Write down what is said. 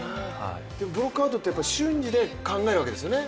ブロックアウトって、瞬時に考えるわけですよね。